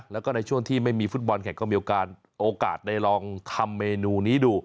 แล้วก็ในช่วงที่ไม่มีฟุตบอลแข่งก็มีโอกาสได้ลองทำเมนูนี้ดู